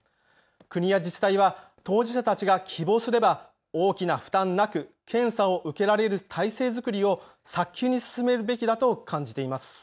国や自治体は当事者たちが希望すれば大きな負担なく検査を受けられる体制作りを早急に進めるべきだと感じています。